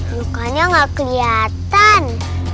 lukanya nggak kelihatan